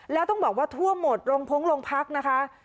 แล้วต้องบอกว่าทั่วหมดลงพงโรงพักนะคะ